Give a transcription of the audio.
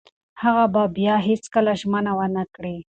هغه به بیا هیڅکله ژمنه ونه کړي.